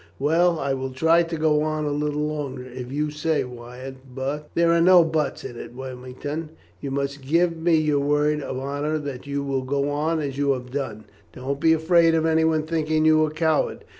"Well, I will try to go on a little longer if you say so, Wyatt, but " "There are no 'buts' in it, Wilmington. You must give me your word of honour that you will go on as you have done. Don't be afraid of anyone thinking you a coward.